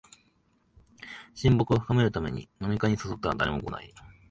親睦を深めるために飲み会に誘ったら誰も来ない